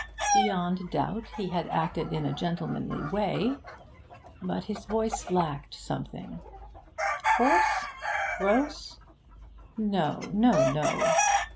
Beyond doubt he had acted in a gentlemanly way; but his voice lacked something. Coarse? Gross? No, no, no!